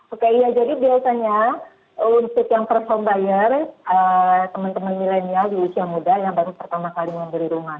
oke iya jadi biasanya untuk yang perform buyer teman teman milenial di usia muda yang baru pertama kali membeli rumah